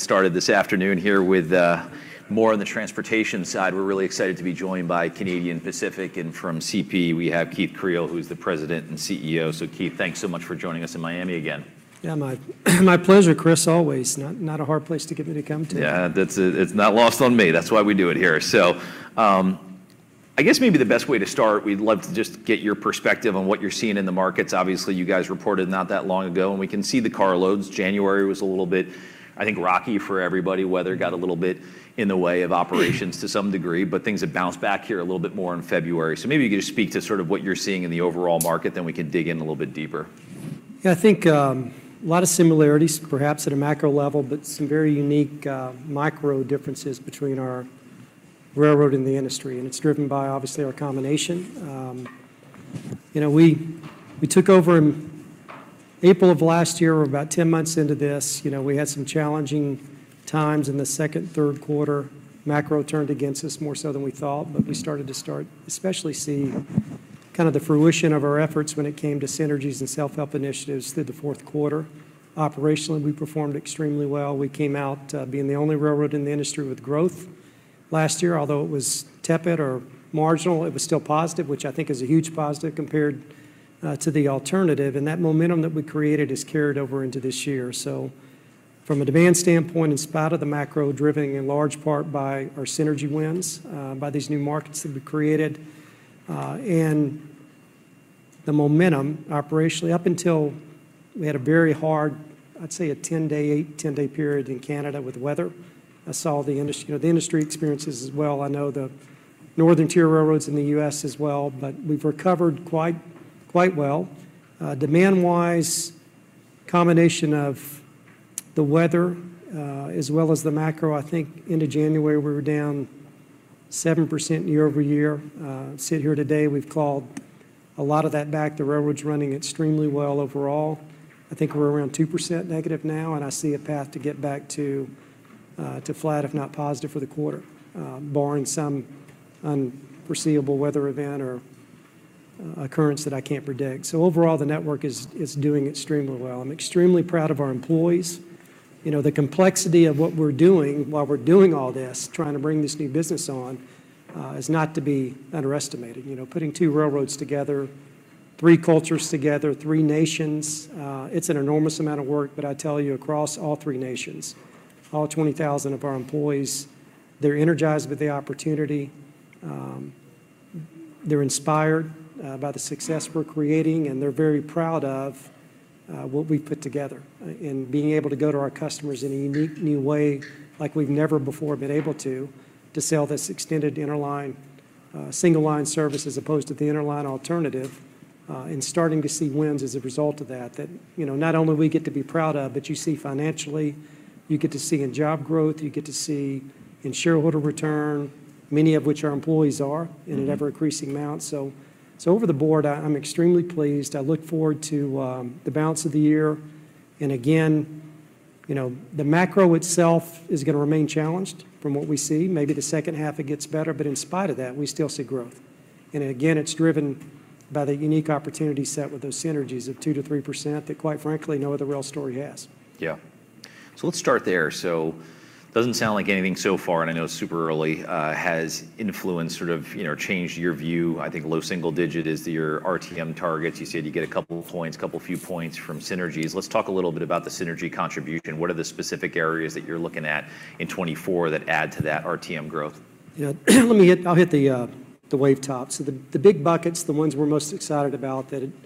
Started this afternoon here with more on the transportation side. We're really excited to be joined by Canadian Pacific, and from CP we have Keith Creel, who's the President and CEO. So Keith, thanks so much for joining us in Miami again. Yeah, my pleasure, Chris, always. Not a hard place to get me to come to. Yeah, that's. It's not lost on me. That's why we do it here. So, I guess maybe the best way to start, we'd love to just get your perspective on what you're seeing in the markets. Obviously, you guys reported not that long ago, and we can see the carloads. January was a little bit, I think, rocky for everybody. Weather got a little bit in the way of operations to some degree, but things have bounced back here a little bit more in February. So maybe you could just speak to sort of what you're seeing in the overall market, then we can dig in a little bit deeper. Yeah, I think a lot of similarities, perhaps at a macro level, but some very unique micro differences between our railroad and the industry. And it's driven by, obviously, our combination. You know, we took over in April of last year. We're about 10 months into this. You know, we had some challenging times in the second, third quarter. Macro turned against us more so than we thought, but we started to see especially kind of the fruition of our efforts when it came to synergies and self-help initiatives through the fourth quarter. Operationally, we performed extremely well. We came out being the only railroad in the industry with growth last year. Although it was tepid or marginal, it was still positive, which I think is a huge positive compared to the alternative. And that momentum that we created has carried over into this year. So from a demand standpoint, in spite of the macro driven in large part by our synergy wins, by these new markets that we created, and the momentum operationally up until we had a very hard, I'd say, an 8-10-day period in Canada with weather, I saw the industry you know, the industry experiences as well. I know the Northern Tier railroads in the U.S. as well, but we've recovered quite, quite well. Demand-wise, combination of the weather, as well as the macro, I think into January we were down 7% year-over-year. Sit here today, we've called a lot of that back. The railroad's running extremely well overall. I think we're around 2% negative now, and I see a path to get back to, to flat, if not positive, for the quarter, barring some unforeseeable weather event or occurrence that I can't predict. Overall, the network is doing extremely well. I'm extremely proud of our employees. You know, the complexity of what we're doing while we're doing all this, trying to bring this new business on, is not to be underestimated. You know, putting two railroads together, three cultures together, three nations, it's an enormous amount of work. But I tell you, across all three nations, all 20,000 of our employees, they're energized with the opportunity. They're inspired by the success we're creating, and they're very proud of what we've put together, and being able to go to our customers in a unique, new way like we've never before been able to, to sell this extended interline, single-line service as opposed to the interline alternative, and starting to see wins as a result of that, you know, not only we get to be proud of, but you see financially, you get to see in job growth, you get to see in shareholder return, many of which our employees are in an ever-increasing amount. So overall, I'm extremely pleased. I look forward to the balance of the year. And again, you know, the macro itself is going to remain challenged from what we see. Maybe the second half, it gets better. But in spite of that, we still see growth. And again, it's driven by the unique opportunity set with those synergies of 2%-3% that, quite frankly, no other rail story has. Yeah. So let's start there. So it doesn't sound like anything so far, and I know it's super early, has influenced sort of, you know, changed your view. I think low single digit is your RTM targets. You said you get a couple points, couple few points from synergies. Let's talk a little bit about the synergy contribution. What are the specific areas that you're looking at in 2024 that add to that RTM growth? Yeah, let me hit the wave top. So the big buckets, the ones we're most excited about that, you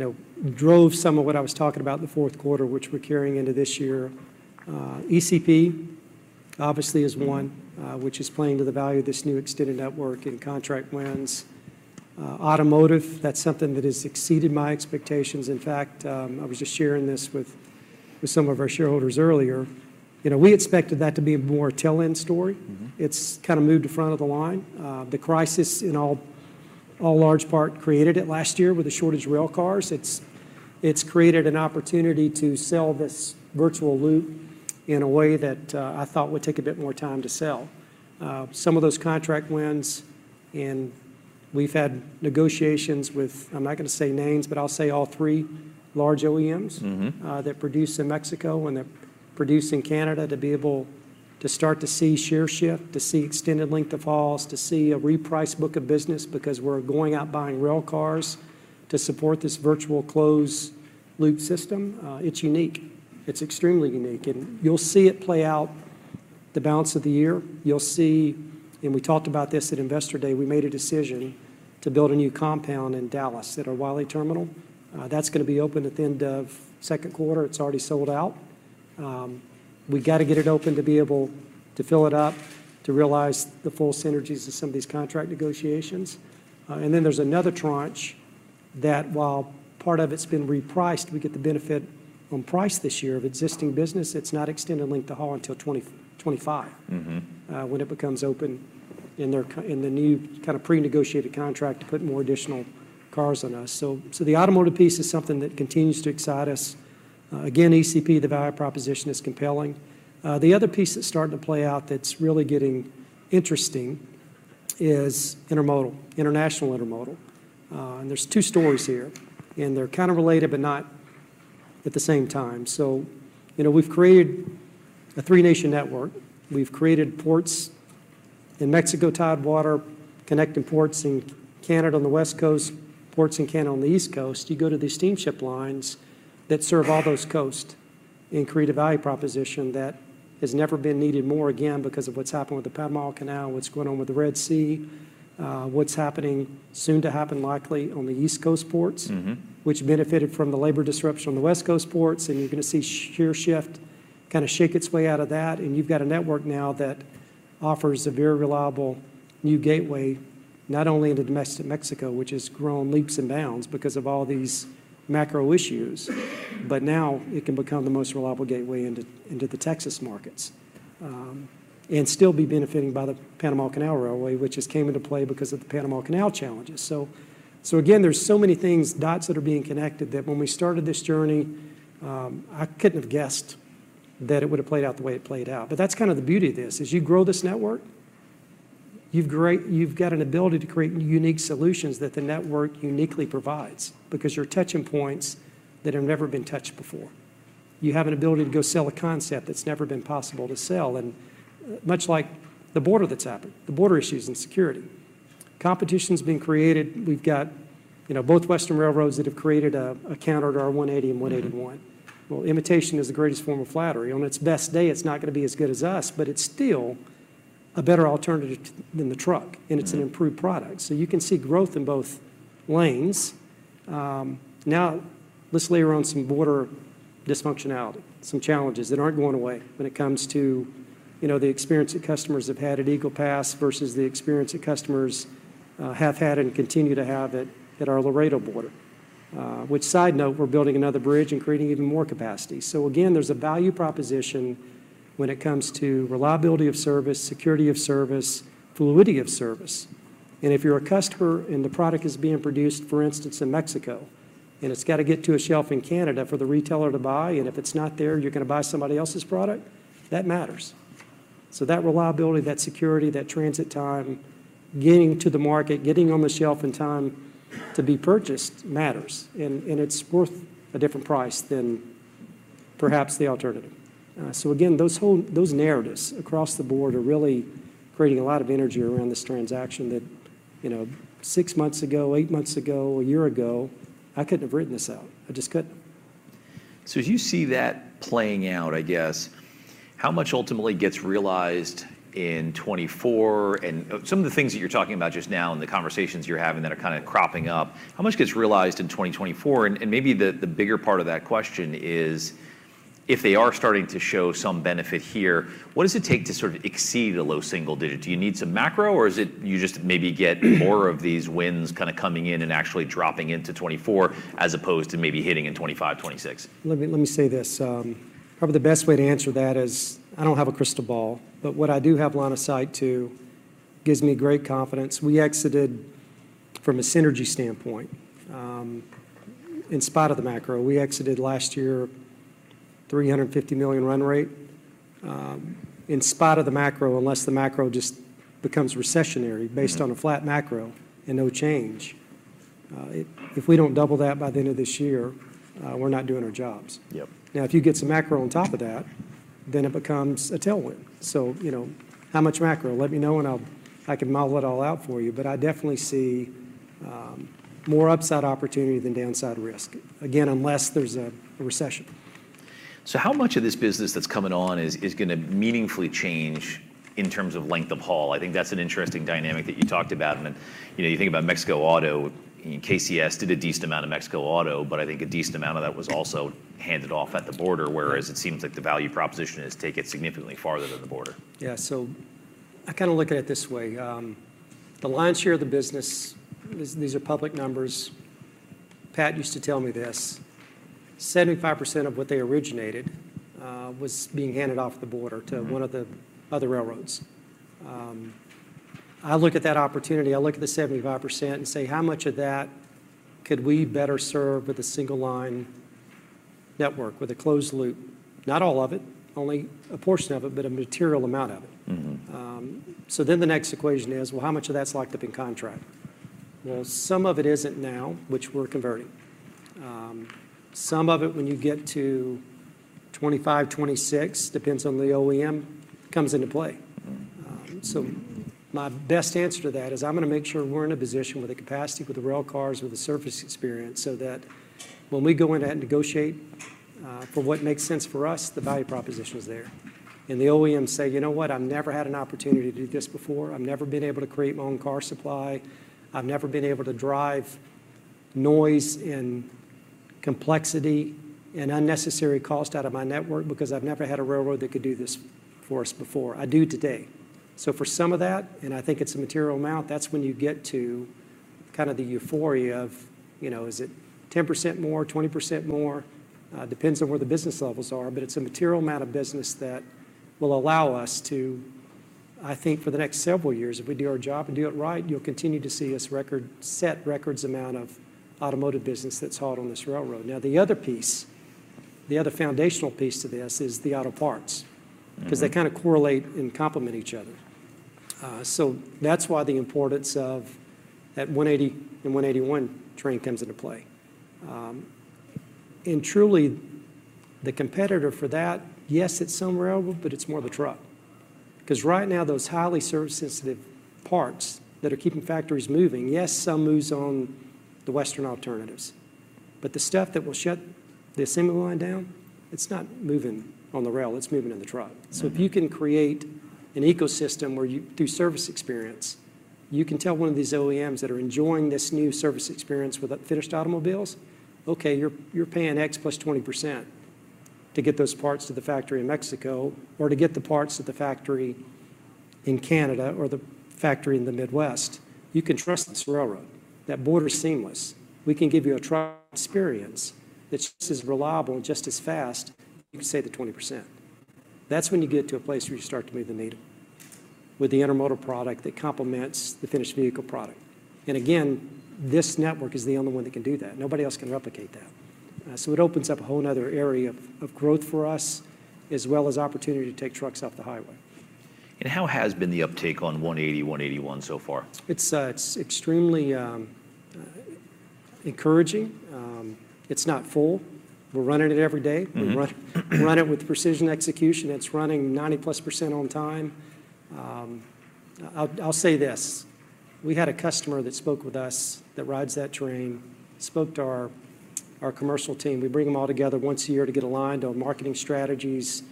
know, drove some of what I was talking about in the fourth quarter, which we're carrying into this year, ECP obviously is one, which is playing to the value of this new extended network and contract wins. Automotive, that's something that has exceeded my expectations. In fact, I was just sharing this with some of our shareholders earlier. You know, we expected that to be a more tail-end story. Mm-hmm. It's kind of moved to front of the line. The crisis in all, all large part created it last year with the shortage of railcars. It's, it's created an opportunity to sell this virtual loop in a way that, I thought would take a bit more time to sell. Some of those contract wins, and we've had negotiations with I'm not going to say names, but I'll say all three large OEMs. Mm-hmm. that produce in Mexico and that produce in Canada to be able to start to see share shift, to see extended length of hauls, to see a repriced book of business because we're going out buying railcars to support this virtual closed-loop system. It's unique. It's extremely unique. And you'll see it play out the balance of the year. You'll see and we talked about this at Investor Day. We made a decision to build a new compound in Dallas at our Wylie terminal. That's going to be open at the end of second quarter. It's already sold out. We got to get it open to be able to fill it up, to realize the full synergies of some of these contract negotiations. And then there's another tranche that, while part of it's been repriced, we get the benefit on price this year of existing business. It's not extended length of haul until 2025. Mm-hmm. When it becomes open in their in the new kind of pre-negotiated contract to put more additional cars on us. So, so the automotive piece is something that continues to excite us. Again, ECP, the value proposition, is compelling. The other piece that's starting to play out that's really getting interesting is intermodal, international intermodal. And there's two stories here, and they're kind of related but not at the same time. So, you know, we've created a three-nation network. We've created ports in Mexico tidewater, connecting ports in Canada on the west coast, ports in Canada on the east coast. You go to these steamship lines that serve all those coasts and create a value proposition that has never been needed more again because of what's happened with the Panama Canal, what's going on with the Red Sea, what's happening soon to happen likely on the east coast ports. Mm-hmm. Which benefited from the labor disruption on the West Coast ports. You're going to see share shift kind of shake its way out of that. You've got a network now that offers a very reliable new gateway, not only into domestic Mexico, which has grown leaps and bounds because of all these macro issues, but now it can become the most reliable gateway into, into the Texas markets, and still be benefiting by the Panama Canal Railway, which has came into play because of the Panama Canal challenges. So, so again, there's so many things, dots that are being connected that when we started this journey, I couldn't have guessed that it would have played out the way it played out. But that's kind of the beauty of this, is you grow this network, you've got an ability to create unique solutions that the network uniquely provides because you're touching points that have never been touched before. You have an ability to go sell a concept that's never been possible to sell. Much like the border that's happened, the border issues and security, competition's being created. We've got, you know, both Western railroads that have created a counter to our 180 and 181. Well, imitation is the greatest form of flattery. On its best day, it's not going to be as good as us, but it's still a better alternative than the truck, and it's an improved product. So you can see growth in both lanes. Now let's layer on some border dysfunctionality, some challenges that aren't going away when it comes to, you know, the experience that customers have had at Eagle Pass versus the experience that customers have had and continue to have at, at our Laredo border, which, side note, we're building another bridge and creating even more capacity. So again, there's a value proposition when it comes to reliability of service, security of service, fluidity of service. And if you're a customer and the product is being produced, for instance, in Mexico, and it's got to get to a shelf in Canada for the retailer to buy, and if it's not there, you're going to buy somebody else's product, that matters. So that reliability, that security, that transit time, getting to the market, getting on the shelf in time to be purchased matters. It's worth a different price than perhaps the alternative. So again, those whole narratives across the board are really creating a lot of energy around this transaction that, you know, six months ago, eight months ago, a year ago, I couldn't have written this out. I just couldn't. So as you see that playing out, I guess, how much ultimately gets realized in 2024? And, some of the things that you're talking about just now and the conversations you're having that are kind of cropping up, how much gets realized in 2024? And, and maybe the, the bigger part of that question is, if they are starting to show some benefit here, what does it take to sort of exceed a low single digit? Do you need some macro, or is it you just maybe get more of these wins kind of coming in and actually dropping into 2024 as opposed to maybe hitting in 2025, 2026? Let me, let me say this. Probably the best way to answer that is I don't have a crystal ball, but what I do have line of sight to gives me great confidence. We exited from a synergy standpoint, in spite of the macro. We exited last year $350 million run rate, in spite of the macro, unless the macro just becomes recessionary based on a flat macro and no change. It if we don't double that by the end of this year, we're not doing our jobs. Yep. Now, if you get some macro on top of that, then it becomes a tailwind. So, you know, how much macro? Let me know, and I'll, I can model it all out for you. But I definitely see more upside opportunity than downside risk, again, unless there's a recession. So how much of this business that's coming on is going to meaningfully change in terms of length of haul? I think that's an interesting dynamic that you talked about. And, you know, you think about Mexico Auto. I mean, KCS did a decent amount of Mexico Auto, but I think a decent amount of that was also handed off at the border, whereas it seems like the value proposition is take it significantly farther than the border. Yeah, so I kind of look at it this way. The lion's share of the business—these are public numbers. Pat used to tell me this. 75% of what they originated was being handed off at the border to one of the other railroads. I look at that opportunity. I look at the 75% and say, "How much of that could we better serve with a single-line network, with a closed loop?" Not all of it, only a portion of it, but a material amount of it. Mm-hmm. So then the next equation is, "Well, how much of that's locked up in contract?" Well, some of it isn't now, which we're converting. Some of it, when you get to 2025, 2026, depends on the OEM, comes into play. Mm-hmm. So my best answer to that is I'm going to make sure we're in a position with the capacity, with the railcars, with the service experience so that when we go in there and negotiate, for what makes sense for us, the value proposition's there. And the OEMs say, "You know what? I've never had an opportunity to do this before. I've never been able to create my own car supply. I've never been able to drive noise and complexity and unnecessary cost out of my network because I've never had a railroad that could do this for us before. I do today." So for some of that, and I think it's a material amount, that's when you get to kind of the euphoria of, you know, is it 10% more, 20% more? Depends on where the business levels are. But it's a material amount of business that will allow us to, I think, for the next several years, if we do our job and do it right, you'll continue to see us record set records amount of automotive business that's hauled on this railroad. Now, the other piece, the other foundational piece to this is the auto parts because they kind of correlate and complement each other. So that's why the importance of that 180 and 181 train comes into play. And truly, the competitor for that, yes, it's some railroad, but it's more the truck because right now, those highly service-sensitive parts that are keeping factories moving, yes, some move on the Western alternatives. But the stuff that will shut the assembly line down, it's not moving on the rail. It's moving in the truck. So if you can create an ecosystem where you through service experience, you can tell one of these OEMs that are enjoying this new service experience with finished automobiles, "Okay, you're, you're paying X plus 20% to get those parts to the factory in Mexico or to get the parts to the factory in Canada or the factory in the Midwest. You can trust this railroad. That border's seamless. We can give you a truck experience that's just as reliable and just as fast as you can save the 20%." That's when you get to a place where you start to move the need with the intermodal product that complements the finished vehicle product. And again, this network is the only one that can do that. Nobody else can replicate that. So it opens up a whole nother area of growth for us as well as opportunity to take trucks off the highway. How has been the uptake on 180, 181 so far? It's extremely encouraging. It's not full. We're running it every day. Mm-hmm. We run it with precision execution. It's running 90%+ on time. I'll say this. We had a customer that spoke with us that rides that train, spoke to our commercial team. We bring them all together once a year to get aligned on marketing strategies,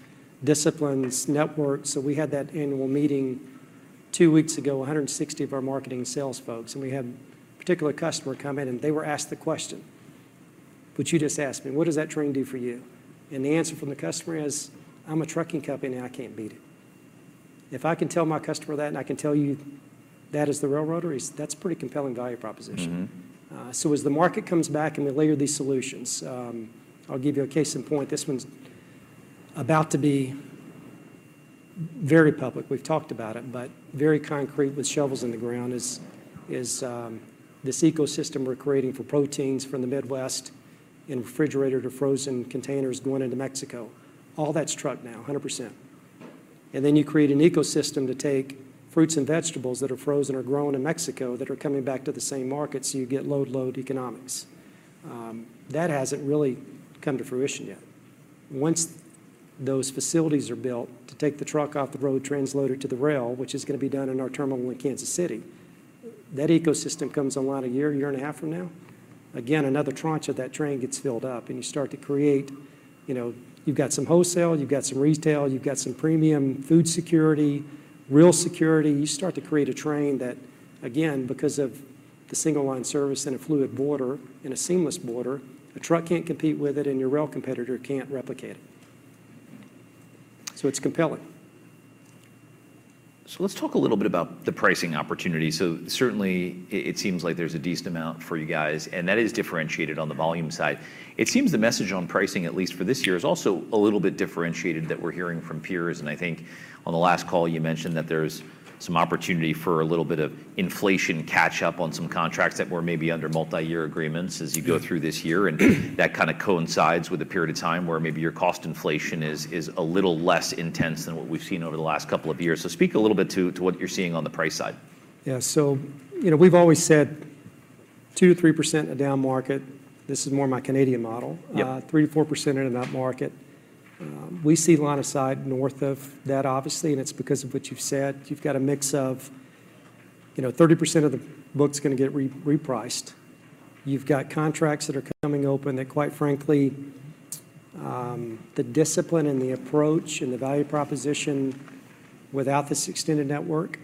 disciplines, network. So we had that annual meeting two weeks ago, 160 of our marketing and sales folks. We had a particular customer come in, and they were asked the question, which you just asked me, "What does that train do for you?" The answer from the customer is, "I'm a trucking company. I can't beat it." If I can tell my customer that and I can tell you that is the railroader, that's a pretty compelling value proposition. Mm-hmm. So as the market comes back and we layer these solutions, I'll give you a case in point. This one's about to be very public. We've talked about it, but very concrete with shovels in the ground is this ecosystem we're creating for proteins from the Midwest in refrigerator to frozen containers going into Mexico. All that's truck now, 100%. And then you create an ecosystem to take fruits and vegetables that are frozen or grown in Mexico that are coming back to the same market, so you get load, load economics. That hasn't really come to fruition yet. Once those facilities are built to take the truck off the road, transload it to the rail, which is going to be done in our terminal in Kansas City, that ecosystem comes online a year, year and a half from now. Again, another tranche of that train gets filled up, and you start to create, you know, you've got some wholesale, you've got some retail, you've got some premium food security, rail security. You start to create a train that, again, because of the single-line service and a fluid border and a seamless border, a truck can't compete with it, and your rail competitor can't replicate it. So it's compelling. So let's talk a little bit about the pricing opportunity. So certainly, it seems like there's a decent amount for you guys, and that is differentiated on the volume side. It seems the message on pricing, at least for this year, is also a little bit differentiated that we're hearing from peers. And I think on the last call, you mentioned that there's some opportunity for a little bit of inflation catch-up on some contracts that were maybe under multi-year agreements as you go through this year. And that kind of coincides with a period of time where maybe your cost inflation is a little less intense than what we've seen over the last couple of years. So speak a little bit to what you're seeing on the price side. Yeah, so, you know, we've always said 2%-3% in a down market. This is more my Canadian model. Yeah. 3%-4% in an up market. We see line of sight north of that, obviously. And it's because of what you've said. You've got a mix of, you know, 30% of the book's going to get repriced. You've got contracts that are coming open that, quite frankly, the discipline and the approach and the value proposition without this extended network,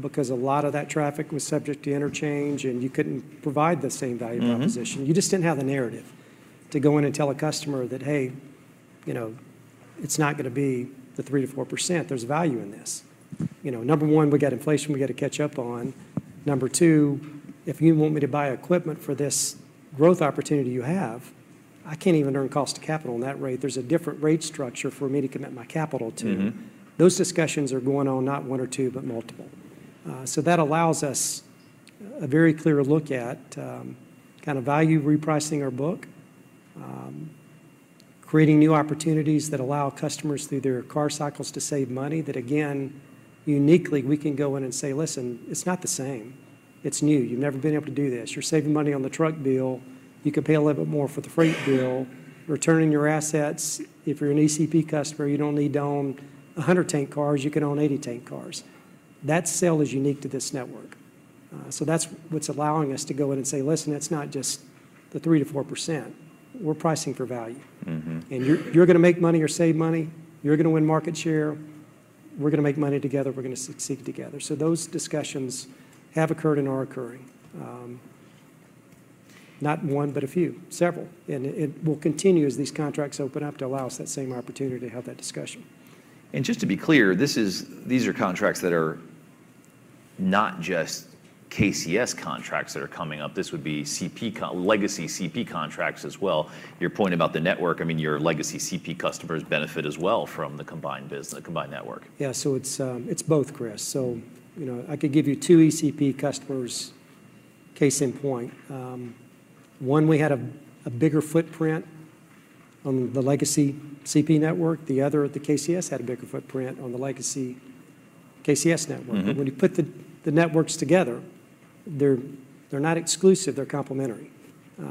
because a lot of that traffic was subject to interchange, and you couldn't provide the same value proposition. You just didn't have the narrative to go in and tell a customer that, "Hey, you know, it's not going to be the 3%-4%. There's value in this." You know, number one, we got inflation we got to catch up on. Number two, if you want me to buy equipment for this growth opportunity you have, I can't even earn cost of capital on that rate. There's a different rate structure for me to commit my capital to. Mm-hmm. Those discussions are going on not 1 or 2, but multiple. So that allows us a very clear look at, kind of value repricing our book, creating new opportunities that allow customers through their car cycles to save money that, again, uniquely, we can go in and say, "Listen, it's not the same. It's new. You've never been able to do this. You're saving money on the truck bill. You can pay a little bit more for the freight bill. Returning your assets, if you're an ECP customer, you don't need to own 100-tank cars. You can own 80-tank cars." That sale is unique to this network. So that's what's allowing us to go in and say, "Listen, it's not just the 3%-4%. We're pricing for value. Mm-hmm. And you're going to make money or save money. You're going to win market share. We're going to make money together. We're going to succeed together. So those discussions have occurred and are occurring, not one, but a few, several. And it will continue as these contracts open up to allow us that same opportunity to have that discussion. And just to be clear, these are contracts that are not just KCS contracts that are coming up. This would be CP, including legacy CP contracts as well. Your point about the network, I mean, your legacy CP customers benefit as well from the combined business, the combined network. Yeah, so it's both, Chris. So, you know, I could give you 2 ECP customers, case in point. One, we had a bigger footprint on the legacy CP network. The other, the KCS, had a bigger footprint on the legacy KCS network. Mm-hmm. But when you put the networks together, they're not exclusive. They're complementary.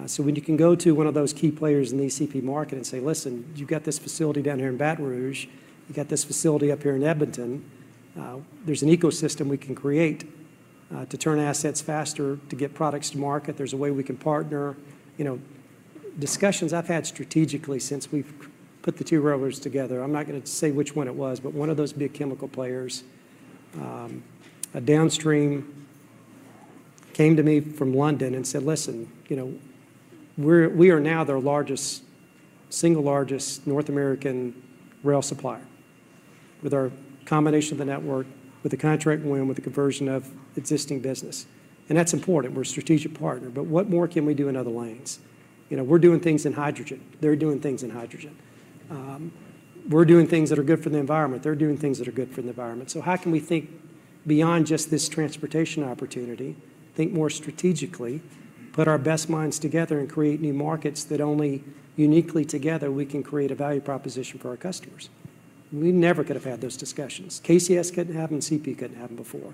So when you can go to one of those key players in the ECP market and say, "Listen, you've got this facility down here in Baton Rouge. You've got this facility up here in Edmonton. There's an ecosystem we can create, to turn assets faster, to get products to market. There's a way we can partner." You know, discussions I've had strategically since we've put the two railroads together. I'm not going to say which one it was, but one of those big chemical players, a downstream, came to me from London and said, "Listen, you know, we are now their largest single North American rail supplier with our combination of the network, with the contract win, with the conversion of existing business." And that's important. We're a strategic partner. But what more can we do in other lanes? You know, we're doing things in hydrogen. They're doing things in hydrogen. We're doing things that are good for the environment. They're doing things that are good for the environment. So how can we think beyond just this transportation opportunity, think more strategically, put our best minds together, and create new markets that only uniquely together we can create a value proposition for our customers? We never could have had those discussions. KCS couldn't have them. CP couldn't have them before.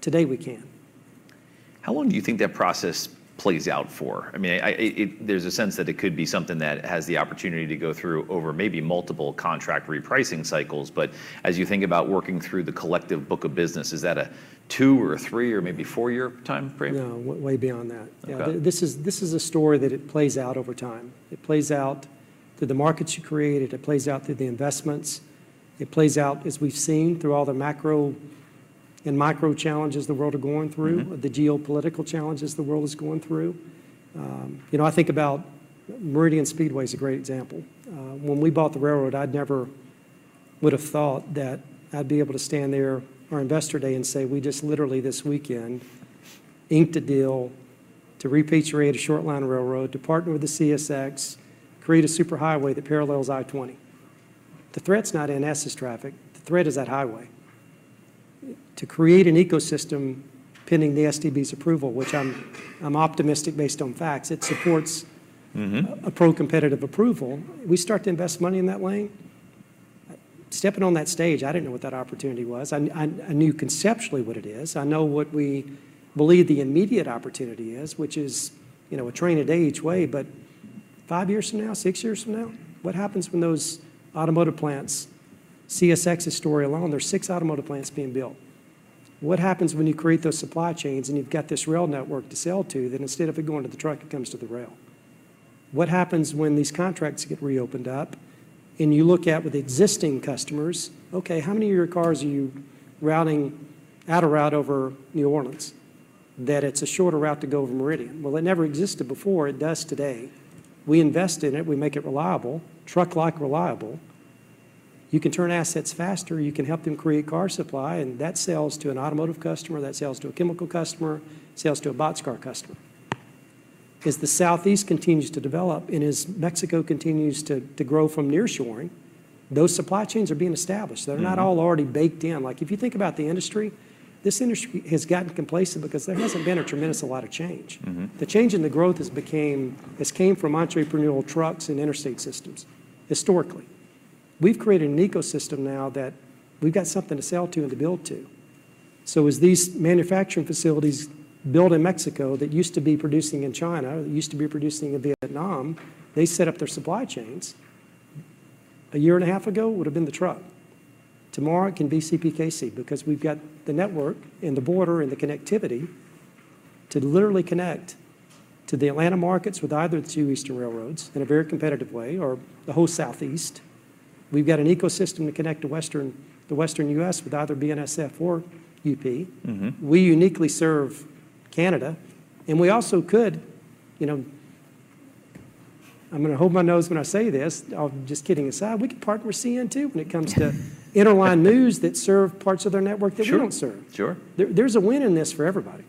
Today, we can. How long do you think that process plays out for? I mean, it, there's a sense that it could be something that has the opportunity to go through over maybe multiple contract repricing cycles. But as you think about working through the collective book of business, is that a two or a three or maybe four-year time frame? No, way beyond that. Okay. Yeah, this is a story that it plays out over time. It plays out through the markets you create. It plays out through the investments. It plays out, as we've seen, through all the macro and micro challenges the world are going through, the geopolitical challenges the world is going through. You know, I think about Meridian Speedway is a great example. When we bought the railroad, I never would have thought that I'd be able to stand there on Investor Day and say, "We just literally this weekend inked a deal to reroute your freight to shortline a railroad, to partner with the CSX, create a superhighway that parallels I-20." The threat's not NS's traffic. The threat is that highway. To create an ecosystem pending the STB's approval, which I'm optimistic based on facts. It supports. Mm-hmm. A pro-competitive approval. We start to invest money in that lane. Stepping on that stage, I didn't know what that opportunity was. I knew conceptually what it is. I know what we believe the immediate opportunity is, which is, you know, a train a day each way. But five years from now, six years from now, what happens when those automotive plants, CSX's story alone, there's six automotive plants being built? What happens when you create those supply chains, and you've got this rail network to sell to, that instead of it going to the truck, it comes to the rail? What happens when these contracts get reopened up, and you look at with existing customers, "Okay, how many of your cars are you routing out a route over New Orleans that it's a shorter route to go over Meridian?" Well, it never existed before. It does today. We invest in it. We make it reliable, truck-like reliable. You can turn assets faster. You can help them create car supply. And that sells to an automotive customer. That sells to a chemical customer. Sells to a boxcar customer. As the Southeast continues to develop and as Mexico continues to grow from nearshoring, those supply chains are being established. They're not all already baked in. Like, if you think about the industry, this industry has gotten complacent because there hasn't been a tremendous amount of change. Mm-hmm. The change in the growth has come from entrepreneurial trucks and interstate systems, historically. We've created an ecosystem now that we've got something to sell to and to build to. So as these manufacturing facilities built in Mexico that used to be producing in China or that used to be producing in Vietnam, they set up their supply chains, a year and a half ago would have been the truck. Tomorrow, it can be CPKC because we've got the network and the border and the connectivity to literally connect to the Atlanta markets with either the two eastern railroads in a very competitive way or the whole Southeast. We've got an ecosystem to connect to the Western US with either BNSF or UP. Mm-hmm. We uniquely serve Canada. We also could, you know, I'm going to hold my nose when I say this. I'm just kidding aside. We could partner with CN too when it comes to interline moves that serve parts of their network that we don't serve. Sure. Sure. There, there's a win in this for everybody.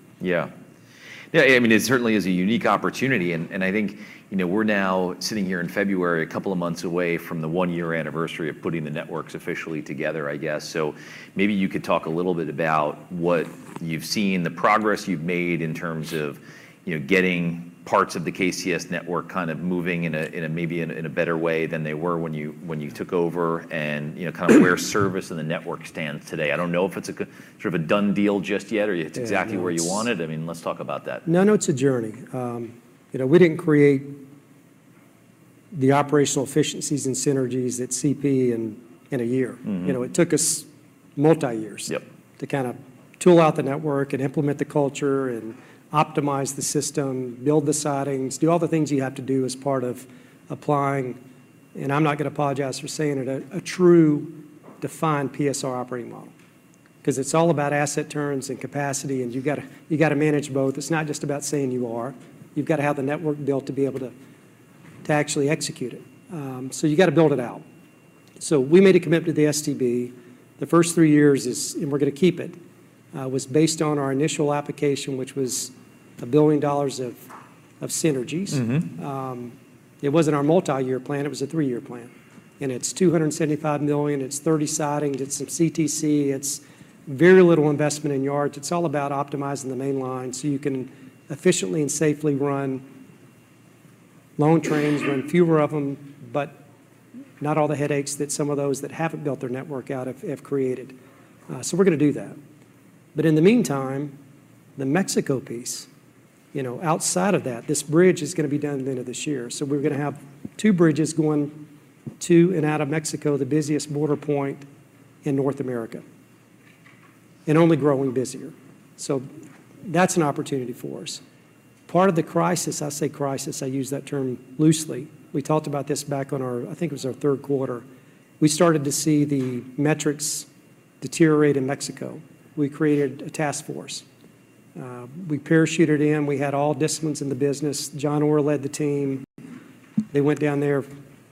Yeah. Yeah, I mean, it certainly is a unique opportunity. And I think, you know, we're now sitting here in February, a couple of months away from the one-year anniversary of putting the networks officially together, I guess. So maybe you could talk a little bit about what you've seen, the progress you've made in terms of, you know, getting parts of the KCS network kind of moving in a maybe in a better way than they were when you took over and, you know, kind of where service and the network stands today. I don't know if it's a sort of a done deal just yet or it's exactly where you want it. I mean, let's talk about that. No, no, it's a journey. You know, we didn't create the operational efficiencies and synergies at CP in a year. Mm-hmm. You know, it took us multi-years. Yep. To kind of tool out the network and implement the culture and optimize the system, build the sidings, do all the things you have to do as part of applying, and I'm not going to apologize for saying it, a true defined PSR operating model because it's all about asset turns and capacity. You've got to manage both. It's not just about saying you are. You've got to have the network built to be able to actually execute it, so you've got to build it out. We made a commitment to the STB. The first three years, and we're going to keep it, was based on our initial application, which was $1 billion of synergies. Mm-hmm. It wasn't our multi-year plan. It was a three-year plan. It's $275 million. It's 30 sidings. It's some CTC. It's very little investment in yards. It's all about optimizing the main line so you can efficiently and safely run long trains, run fewer of them, but not all the headaches that some of those that haven't built their network out have created. So we're going to do that. In the meantime, the Mexico piece, you know, outside of that, this bridge is going to be done at the end of this year. We're going to have two bridges going to and out of Mexico, the busiest border point in North America, and only growing busier. That's an opportunity for us. Part of the crisis. I say crisis. I use that term loosely. We talked about this back on our. I think it was our third quarter. We started to see the metrics deteriorate in Mexico. We created a task force. We parachuted in. We had all disciplines in the business. John Orr led the team. They went down there,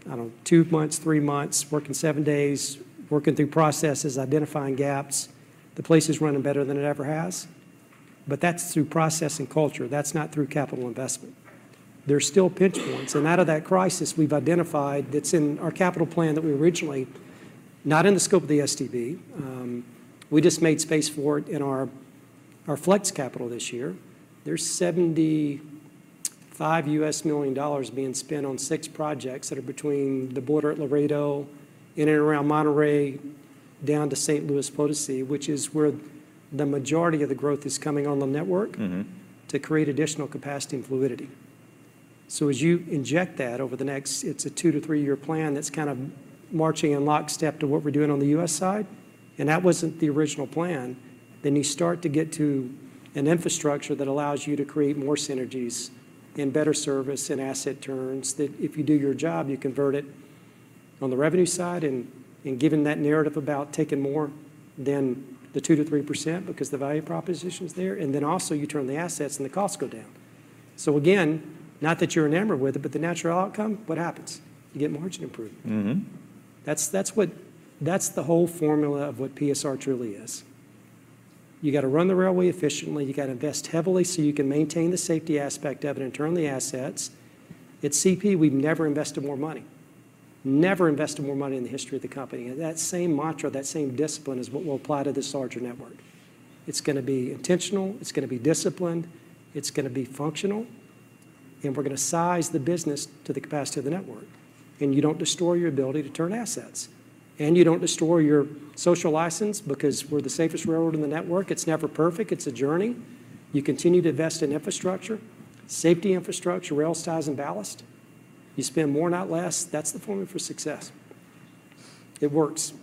I don't know, two months, three months, working seven days, working through processes, identifying gaps. The place is running better than it ever has. But that's through process and culture. That's not through capital investment. There's still pinch points. And out of that crisis, we've identified that's in our capital plan that we originally not in the scope of the SDB. We just made space for it in our, our flex capital this year. There's $75 million being spent on six projects that are between the border at Laredo, in and around Monterrey, down to San Luis Potosí, which is where the majority of the growth is coming on the network. Mm-hmm. To create additional capacity and fluidity. So as you inject that over the next it's a 2- to 3-year plan that's kind of marching in lockstep to what we're doing on the U.S. side. And that wasn't the original plan. Then you start to get to an infrastructure that allows you to create more synergies and better service and asset turns that if you do your job, you convert it on the revenue side and, and given that narrative about taking more than the 2%-3% because the value proposition's there, and then also, you turn the assets, and the costs go down. So again, not that you're enamored with it, but the natural outcome, what happens? You get margin improvement. Mm-hmm. That's what the whole formula of what PSR truly is. You got to run the railway efficiently. You got to invest heavily so you can maintain the safety aspect of it and turn the assets. At CP, we've never invested more money, never invested more money in the history of the company. And that same mantra, that same discipline is what we'll apply to this larger network. It's going to be intentional. It's going to be disciplined. It's going to be functional. And we're going to size the business to the capacity of the network. And you don't destroy your ability to turn assets. And you don't destroy your social license because we're the safest railroad in the network. It's never perfect. It's a journey. You continue to invest in infrastructure, safety infrastructure, rail size and ballast. You spend more, not less. That's the formula for success. It works.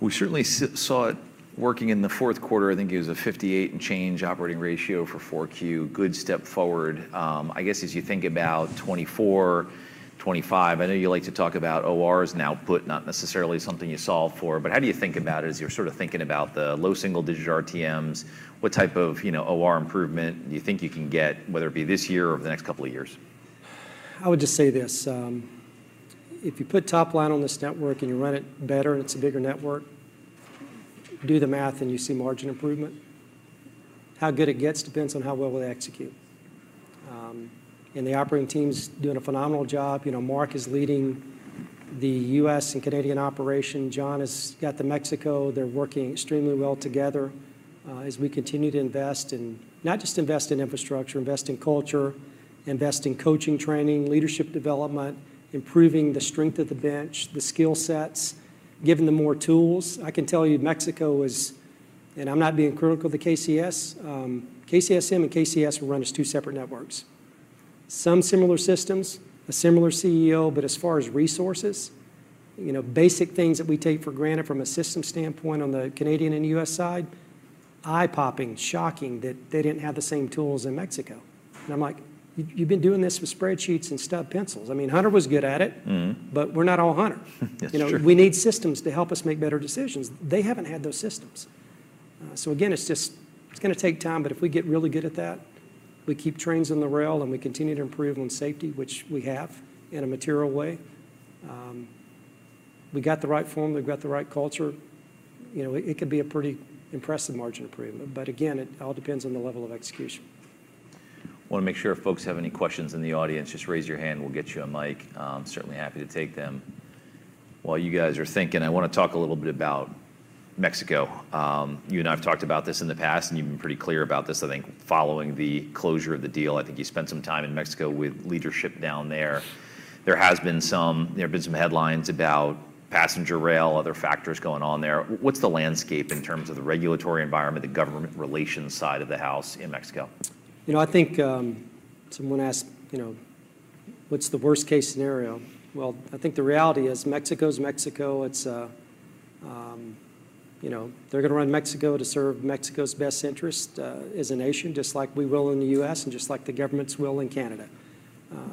We certainly saw it working in the fourth quarter. I think it was a 58 and change operating ratio for 4Q. Good step forward. I guess as you think about 2024, 2025 I know you like to talk about ORs and output, not necessarily something you solve for. But how do you think about it as you're sort of thinking about the low single-digit RTMs? What type of, you know, OR improvement do you think you can get, whether it be this year or over the next couple of years? I would just say this. If you put top line on this network, and you run it better, and it's a bigger network, do the math, and you see margin improvement. How good it gets depends on how well we execute. The operating team's doing a phenomenal job. You know, Mark is leading the U.S. and Canadian operation. John has got the Mexico. They're working extremely well together. As we continue to invest in not just invest in infrastructure, invest in culture, invest in coaching training, leadership development, improving the strength of the bench, the skill sets, giving them more tools, I can tell you, Mexico is and I'm not being critical of the KCS. KCSM and KCS will run as two separate networks, some similar systems, a similar CEO. But as far as resources, you know, basic things that we take for granted from a systems standpoint on the Canadian and US side, eye-popping, shocking that they didn't have the same tools in Mexico. And I'm like, "You've been doing this with spreadsheets and stub pencils." I mean, Hunter was good at it. Mm-hmm. But we're not all Hunter. Yes, sure. You know, we need systems to help us make better decisions. They haven't had those systems. So again, it's just going to take time. But if we get really good at that, we keep trains on the rail, and we continue to improve on safety, which we have in a material way. We got the right formula. We've got the right culture. You know, it could be a pretty impressive margin improvement. But again, it all depends on the level of execution. Want to make sure if folks have any questions in the audience, just raise your hand. We'll get you a mic. Certainly happy to take them. While you guys are thinking, I want to talk a little bit about Mexico. You and I have talked about this in the past, and you've been pretty clear about this. I think following the closure of the deal, I think you spent some time in Mexico with leadership down there. There have been some headlines about passenger rail, other factors going on there. What's the landscape in terms of the regulatory environment, the government relations side of the house in Mexico? You know, I think, someone asked, you know, "What's the worst-case scenario?" Well, I think the reality is Mexico's Mexico. It's, you know, they're going to run Mexico to serve Mexico's best interest, as a nation, just like we will in the U.S. and just like the governments will in Canada.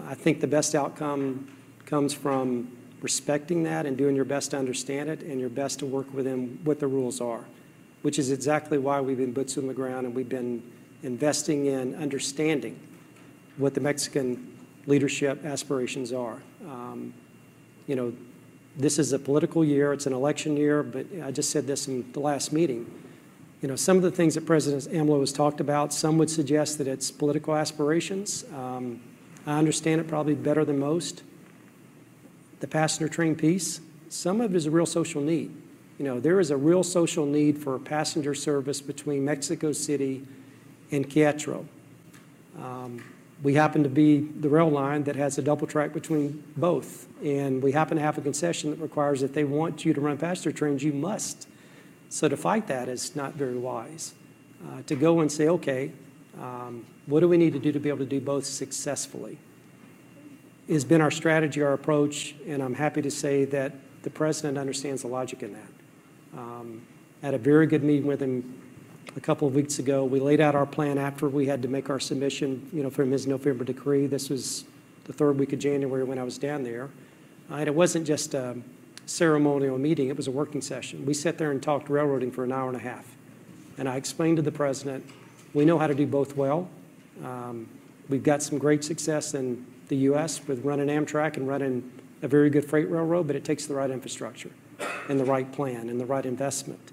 I think the best outcome comes from respecting that and doing your best to understand it and your best to work with them what the rules are, which is exactly why we've been boots on the ground, and we've been investing in understanding what the Mexican leadership aspirations are. You know, this is a political year. It's an election year. But I just said this in the last meeting. You know, some of the things that President AMLO has talked about, some would suggest that it's political aspirations. I understand it probably better than most, the passenger train piece. Some of it is a real social need. You know, there is a real social need for passenger service between Mexico City and Querétaro. We happen to be the rail line that has a double track between both. And we happen to have a concession that requires that they want you to run passenger trains. You must. So to fight that is not very wise, to go and say, "Okay, what do we need to do to be able to do both successfully?" has been our strategy, our approach. And I'm happy to say that the president understands the logic in that. At a very good meeting with him a couple of weeks ago, we laid out our plan after we had to make our submission, you know, for his November decree. This was the third week of January when I was down there. It wasn't just a ceremonial meeting. It was a working session. We sat there and talked railroading for an hour and a half. I explained to the president, "We know how to do both well. We've got some great success in the U.S. with running Amtrak and running a very good freight railroad, but it takes the right infrastructure and the right plan and the right investment."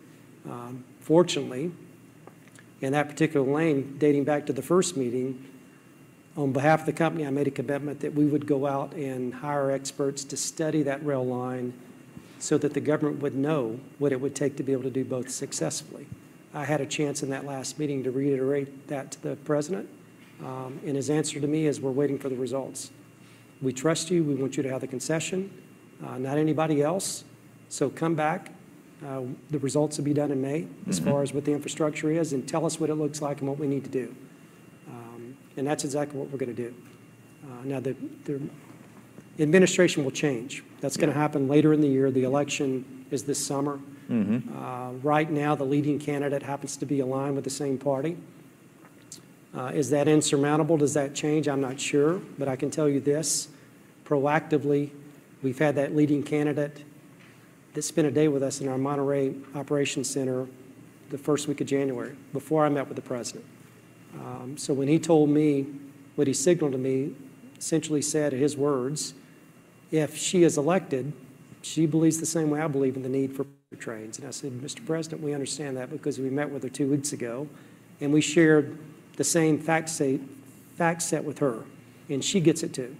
Fortunately, in that particular lane dating back to the first meeting, on behalf of the company, I made a commitment that we would go out and hire experts to study that rail line so that the government would know what it would take to be able to do both successfully. I had a chance in that last meeting to reiterate that to the president. His answer to me is, "We're waiting for the results. We trust you. We want you to have the concession, not anybody else. So come back. The results will be done in May as far as what the infrastructure is, and tell us what it looks like and what we need to do." And that's exactly what we're going to do. Now, the administration will change. That's going to happen later in the year. The election is this summer. Mm-hmm. Right now, the leading candidate happens to be aligned with the same party. Is that insurmountable? Does that change? I'm not sure. But I can tell you this, proactively, we've had that leading candidate that spent a day with us in our Monterrey Operations Center the first week of January before I met with the president. So when he told me what he signaled to me, essentially said his words, "If she is elected, she believes the same way I believe in the need for freight trains." And I said, "Mr. President, we understand that because we met with her two weeks ago, and we shared the same fact fact set with her. And she gets it too.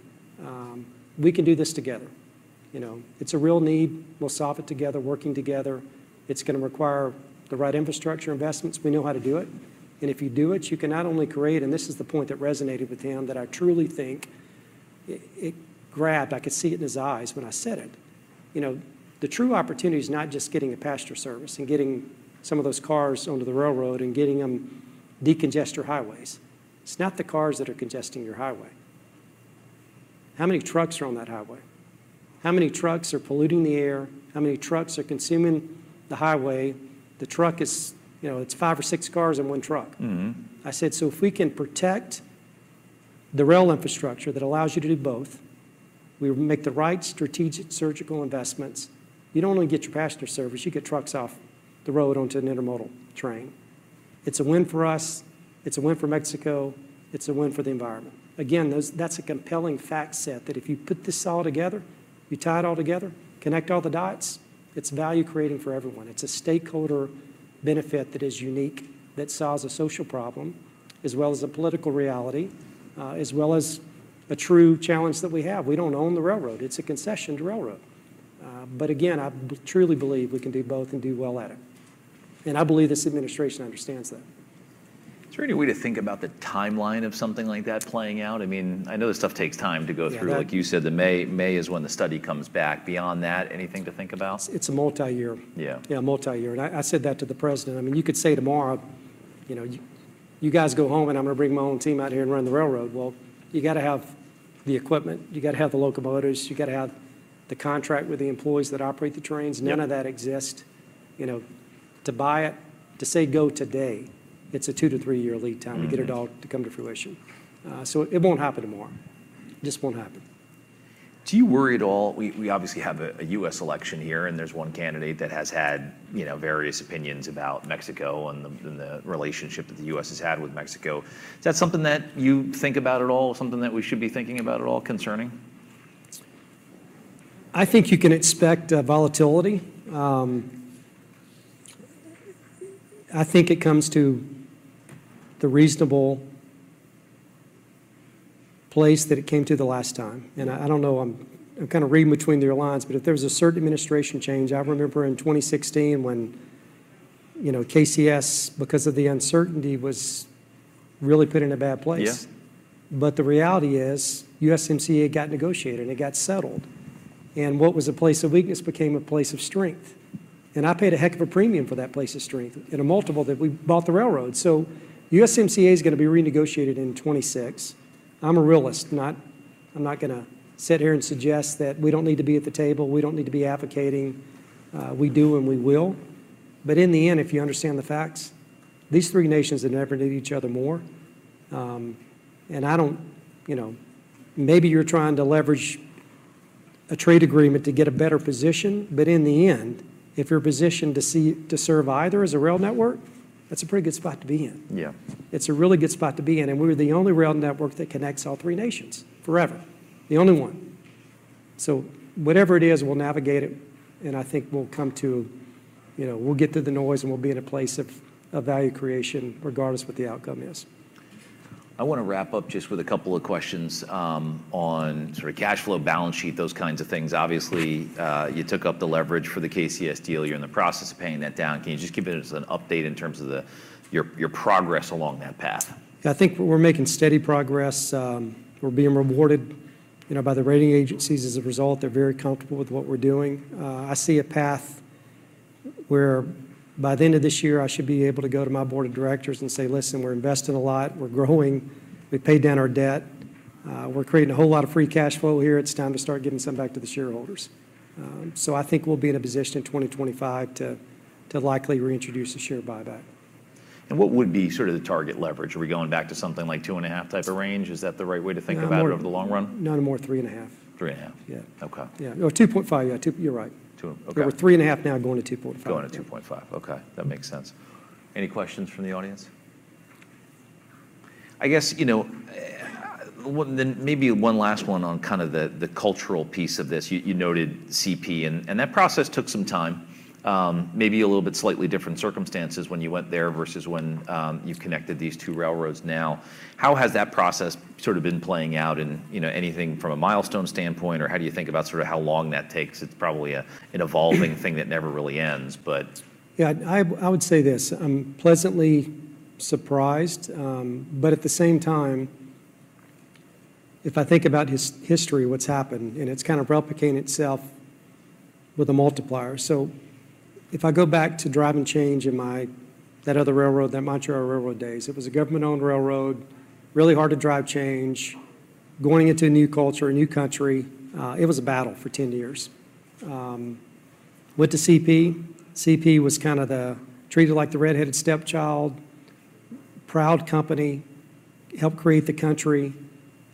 We can do this together. You know, it's a real need. We'll solve it together, working together. It's going to require the right infrastructure investments. We know how to do it. If you do it, you can not only create" and this is the point that resonated with him, that I truly think it grabbed. I could see it in his eyes when I said it. You know, the true opportunity is not just getting a passenger service and getting some of those cars onto the railroad and getting them to decongest your highways. It's not the cars that are congesting your highway. How many trucks are on that highway? How many trucks are polluting the air? How many trucks are consuming the highway? The truck, you know, it's five or six cars in one truck. Mm-hmm. I said, "So if we can protect the rail infrastructure that allows you to do both, we make the right strategic surgical investments, you don't only get your passenger service. You get trucks off the road onto an intermodal train. It's a win for us. It's a win for Mexico. It's a win for the environment." Again, those that's a compelling fact set that if you put this all together, you tie it all together, connect all the dots, it's value-creating for everyone. It's a stakeholder benefit that is unique, that solves a social problem as well as a political reality, as well as a true challenge that we have. We don't own the railroad. It's a concession to railroad. But again, I truly believe we can do both and do well at it. And I believe this administration understands that. Is there any way to think about the timeline of something like that playing out? I mean, I know this stuff takes time to go through. Sure. Like you said, the May is when the study comes back. Beyond that, anything to think about? It's a multi-year. Yeah. Yeah, a multi-year. And I, I said that to the president. I mean, you could say tomorrow, you know, "You guys go home, and I'm going to bring my own team out here and run the railroad." Well, you got to have the equipment. You got to have the locomotives. You got to have the contract with the employees that operate the trains. Yeah. None of that exists, you know, to buy it to say, "Go today," it's a 2- to 3-year lead time to get it all to come to fruition. So it won't happen tomorrow. It just won't happen. Do you worry at all? We obviously have a U.S. election here, and there's one candidate that has had, you know, various opinions about Mexico and the relationship that the U.S. has had with Mexico. Is that something that you think about at all, something that we should be thinking about at all concerning? I think you can expect volatility. I think it comes to the reasonable place that it came to the last time. And I, I don't know. I'm, I'm kind of reading between the lines. But if there was a certain administration change, I remember in 2016 when, you know, KCS, because of the uncertainty, was really put in a bad place. Yeah. But the reality is, USMCA got negotiated, and it got settled. And what was a place of weakness became a place of strength. And I paid a heck of a premium for that place of strength and a multiple that we bought the railroad. So USMCA is going to be renegotiated in 2026. I'm a realist. I'm not going to sit here and suggest that we don't need to be at the table. We don't need to be advocating. We do, and we will. But in the end, if you understand the facts, these three nations are going to have to need each other more. And I don't, you know, maybe you're trying to leverage a trade agreement to get a better position. But in the end, if you're positioned to see to serve either as a rail network, that's a pretty good spot to be in. Yeah. It's a really good spot to be in. And we were the only rail network that connects all three nations forever, the only one. So whatever it is, we'll navigate it. And I think we'll come to you know, we'll get through the noise, and we'll be in a place of, of value creation, regardless of what the outcome is. I want to wrap up just with a couple of questions, on sort of cash flow, balance sheet, those kinds of things. Obviously, you took up the leverage for the KCS deal. You're in the process of paying that down. Can you just give us an update in terms of your progress along that path? Yeah, I think we're making steady progress. We're being rewarded, you know, by the rating agencies as a result. They're very comfortable with what we're doing. I see a path where, by the end of this year, I should be able to go to my board of directors and say, "Listen, we're investing a lot. We're growing. We've paid down our debt. We're creating a whole lot of free cash flow here. It's time to start giving some back to the shareholders." So I think we'll be in a position in 2025 to likely reintroduce a share buyback. What would be sort of the target leverage? Are we going back to something like 2.5 type of range? Is that the right way to think about it over the long run? No, no, no. None more. 3.5. 3.5? Yeah. Okay. Yeah. Well, 2.5. Yeah, 2, you're right. 2. Okay. We're 3.5 now, going to 2.5. Going to 2.5. Okay. That makes sense. Any questions from the audience? I guess, you know, one then maybe one last one on kind of the cultural piece of this. You noted CP. And that process took some time, maybe a little bit slightly different circumstances when you went there versus when you've connected these two railroads now. How has that process sort of been playing out in, you know, anything from a milestone standpoint? Or how do you think about sort of how long that takes? It's probably an evolving thing that never really ends. But. Yeah, I, I would say this. I'm pleasantly surprised. But at the same time, if I think about his history, what's happened and it's kind of replicating itself with a multiplier. So if I go back to driving change in my that other railroad, that Montreal railroad days, it was a government-owned railroad, really hard to drive change, going into a new culture, a new country. It was a battle for 10 years. Went to CP. CP was kind of the treated like the red-headed stepchild, proud company, helped create the country.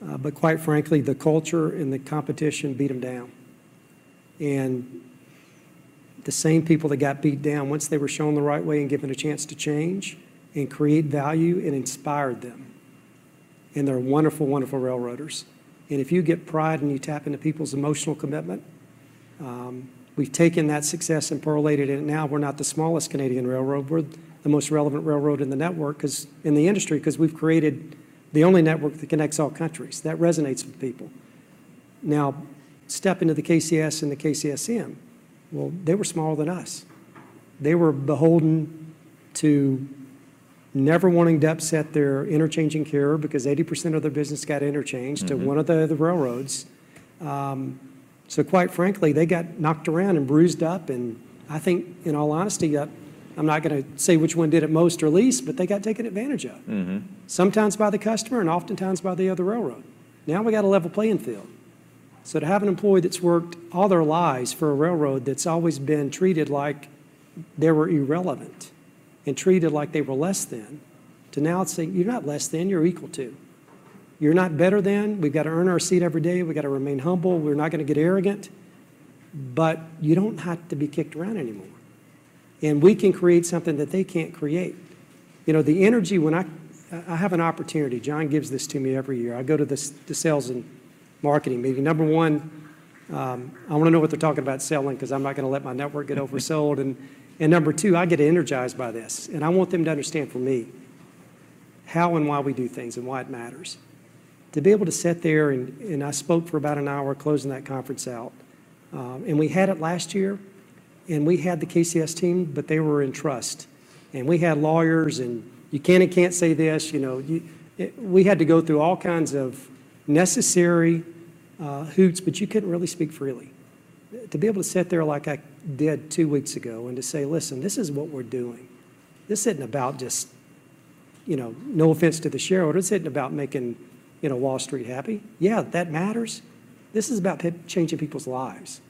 But quite frankly, the culture and the competition beat them down. And the same people that got beat down, once they were shown the right way and given a chance to change and create value, it inspired them. And they're wonderful, wonderful railroaders. And if you get pride, and you tap into people's emotional commitment, we've taken that success and correlated it. And now, we're not the smallest Canadian railroad. We're the most relevant railroad in the network because in the industry because we've created the only network that connects all countries. That resonates with people. Now, step into the KCS and the KCSM. Well, they were smaller than us. They were beholden to never wanting to upset their interchanging carrier because 80% of their business got interchanged to one of the, the railroads. So quite frankly, they got knocked around and bruised up. And I think, in all honesty, I'm not going to say which one did it most or least, but they got taken advantage of. Mm-hmm. Sometimes by the customer, and oftentimes by the other railroad. Now, we got a level playing field. So to have an employee that's worked all their lives for a railroad that's always been treated like they were irrelevant and treated like they were less than, to now say, "You're not less than. You're equal to. You're not better than. We've got to earn our seat every day. We've got to remain humble. We're not going to get arrogant." But you don't have to be kicked around anymore. And we can create something that they can't create. You know, the energy when I have an opportunity John gives this to me every year. I go to the sales and marketing meeting. Number one, I want to know what they're talking about selling because I'm not going to let my network get oversold. And number two, I get energized by this. And I want them to understand, for me, how and why we do things and why it matters. To be able to sit there and I spoke for about an hour closing that conference out. And we had it last year. And we had the KCS team, but they were in trust. And we had lawyers. And you can and can't say this. You know, we had to go through all kinds of necessary hoops. But you couldn't really speak freely. To be able to sit there like I did two weeks ago and to say, "Listen, this is what we're doing. This isn't about just—you know, no offense to the shareholder. It's not about making, you know, Wall Street happy." Yeah, that matters. This is about changing people's lives,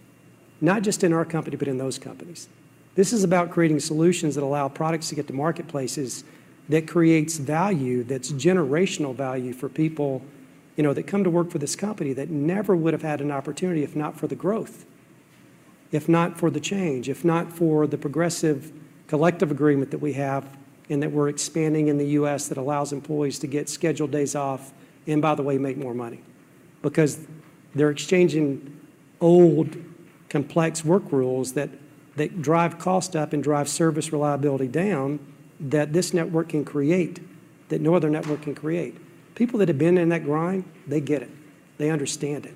not just in our company but in those companies. This is about creating solutions that allow products to get to marketplaces that creates value, that's generational value for people, you know, that come to work for this company that never would have had an opportunity if not for the growth, if not for the change, if not for the progressive collective agreement that we have and that we're expanding in the US that allows employees to get scheduled days off and, by the way, make more money because they're exchanging old, complex work rules that, that drive cost up and drive service reliability down that this network can create, that no other network can create. People that have been in that grind, they get it. They understand it.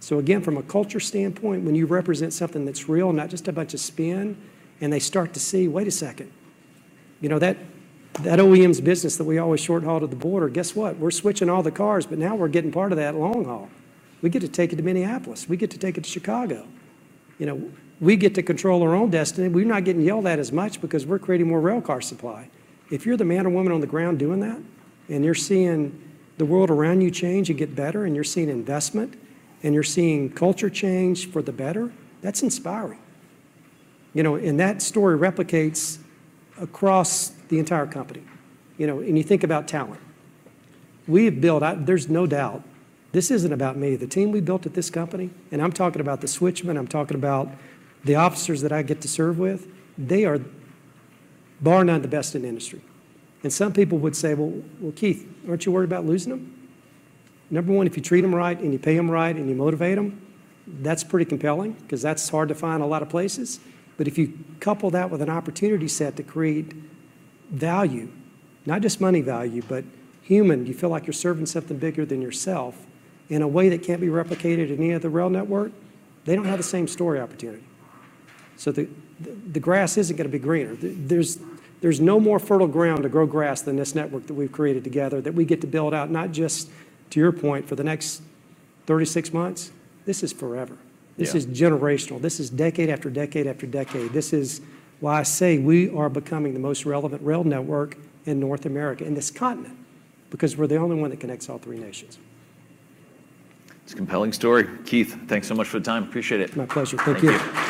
So again, from a culture standpoint, when you represent something that's real, not just a bunch of spin, and they start to see, "Wait a second. You know, that OEM's business that we always shorthauled at the border, guess what? We're switching all the cars. But now, we're getting part of that long haul. We get to take it to Minneapolis. We get to take it to Chicago. You know, we get to control our own destiny. We're not getting yelled at as much because we're creating more railcar supply." If you're the man or woman on the ground doing that, and you're seeing the world around you change and get better, and you're seeing investment, and you're seeing culture change for the better, that's inspiring. You know, and that story replicates across the entire company. You know, and you think about talent. We have built. There's no doubt this isn't about me. The team we built at this company and I'm talking about the switchmen. I'm talking about the officers that I get to serve with. They are bar none the best in the industry. And some people would say, "Well, well, Keith, aren't you worried about losing them?" Number one, if you treat them right, and you pay them right, and you motivate them, that's pretty compelling because that's hard to find a lot of places. But if you couple that with an opportunity set to create value, not just money value but human - you feel like you're serving something bigger than yourself in a way that can't be replicated in any other rail network - they don't have the same story opportunity. So the grass isn't going to be greener. There's no more fertile ground to grow grass than this network that we've created together that we get to build out, not just, to your point, for the next 36 months. This is forever. This is generational. This is decade after decade after decade. This is why I say we are becoming the most relevant rail network in North America, in this continent, because we're the only one that connects all three nations. It's a compelling story. Keith, thanks so much for the time. Appreciate it. My pleasure. Thank you. Thank you.